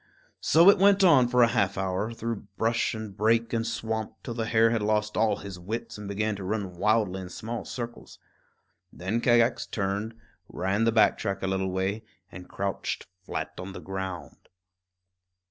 So it went on for a half hour, through brush and brake and swamp, till the hare had lost all his wits and began to run wildly in small circles. Then Kagax turned, ran the back track a little way, and crouched flat on the ground.